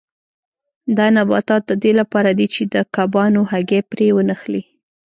دا نباتات د دې لپاره دي چې د کبانو هګۍ پرې ونښلي.